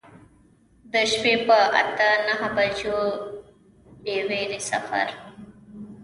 د شپې په اته نهه بجو بې ویرې سفر.